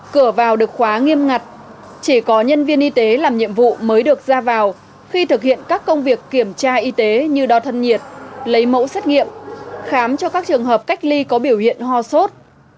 trên ngặt chỉ có nhân viên y tế làm nhiệm vụ mới được ra vào khi thực hiện các công việc kiểm tra y tế như đo thân nhiệt lấy mẫu xét nghiệm khám cho các trường hợp cách ly có biểu hiện ho sốt